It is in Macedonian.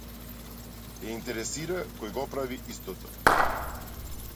Ја интересира кој го прави истото